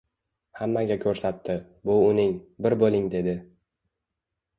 Hammaga ko‘rsatdi — bu uning, bir bo‘ling dedi.